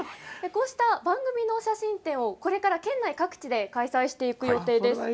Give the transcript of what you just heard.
こうした番組の写真展をこれから県内各地で開催していく予定です。